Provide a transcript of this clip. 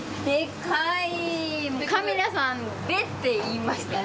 カメラさん「で」って言いましたね